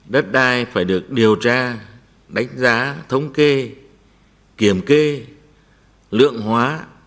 đất đai phải được điều tra đánh giá thống kê kiểm kê lượng hóa